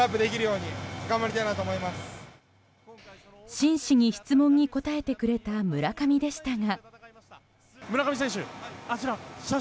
真摯に質問に答えてくれた村上でしたが。